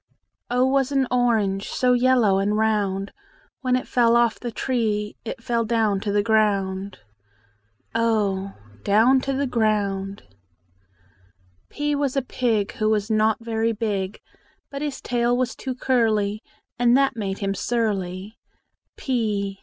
O was an orange So yellow and round: When it fell off the tree, It fell down to the ground; o Down to the ground! P was a pig, Who was not very big; But his tail was too curly, And that made him surly.